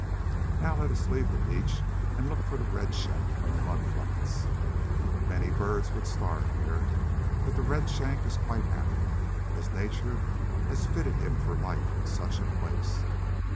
Now let us leave the beach and look for the Redshank on the mud flats. Many birds would starve there, but the Redshank is quite happy, as Nature has fitted him for his life in such a place.